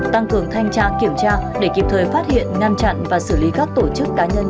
tăng cường thanh tra kiểm tra để kịp thời phát hiện ngăn chặn và xử lý các tổ chức cá nhân